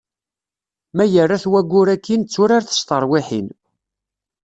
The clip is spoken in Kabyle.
Ma yerra-t waggur akin d turart s tarwiḥin.